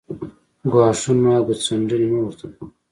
ګواښونه او ګوت څنډنې مه ورته کاوه